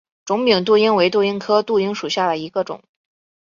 肿柄杜英为杜英科杜英属下的一个种。